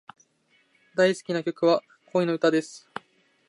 大好きな曲は、恋の歌です。